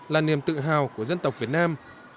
là niềm tự hào của dân tộc việt nam